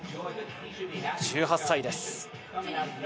１８歳です。